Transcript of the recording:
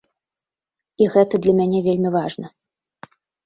І гэта для мяне вельмі важна.